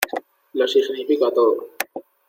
lo significa todo.